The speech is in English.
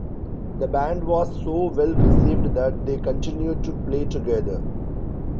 The band was so well received that they continued to play together.